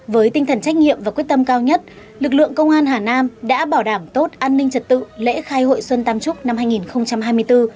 với tinh thần trách nhiệm và quyết tâm cao nhất lực lượng công an hà nam đã bảo đảm tốt an ninh trật tự lễ khai hội xuân tam trúc năm hai nghìn hai mươi bốn